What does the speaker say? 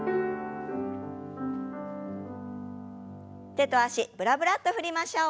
手と脚ブラブラッと振りましょう。